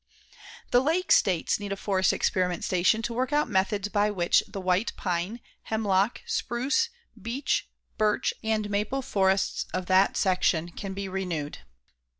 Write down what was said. The Lake States need a forest experiment station to work out methods by which the white pine, hemlock, spruce, beech, birch and maple forests of that section can be renewed.